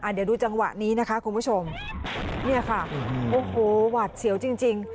เดี๋ยวดูจังหวะนี้นะคะคุณผู้ชมเนี่ยค่ะโอ้โหหวัดเสียวจริงจริง